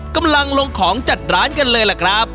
กำลังลงของจัดร้านกันเลยล่ะครับ